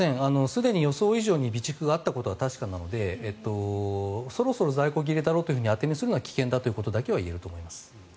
すでに予想以上に備蓄があったことは確かなのでそろそろ在庫切れだろうと当てにするのは危険だということだけは言えると思います。